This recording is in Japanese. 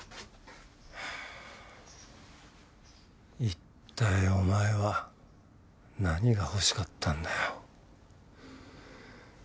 いったいお前は何が欲しかったんだよ。